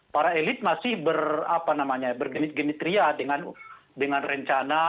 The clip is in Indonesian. para elit masih bergenitria dengan rencana